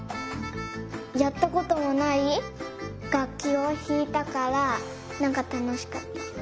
やったこともないがっきをひいたからなんかたのしかった。